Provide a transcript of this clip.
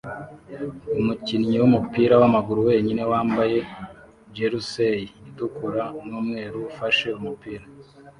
umukinnyi wumupira wamaguru wenyine wambaye jersay itukura numweru ufashe umupira